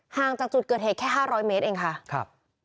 ห่างจากจุดเกิดเหตุแค่๕๐๐เมตรเองค่ะครับ